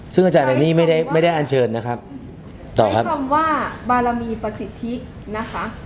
ซึ่งอาจารย์อันนี้ไม่ได้ไม่ได้อันเชิญนะครับต่อครับคำว่าบารมีประสิทธินะคะ